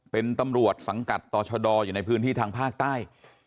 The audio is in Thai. เป็นตำรวจสังกัดต่อชะดออยู่ในพื้นที่ทางภาคใต้